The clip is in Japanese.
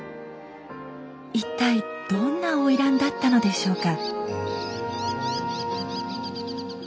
一体どんな花魁だったのでしょうか？